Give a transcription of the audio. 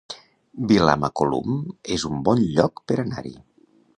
Vilamacolum es un bon lloc per anar-hi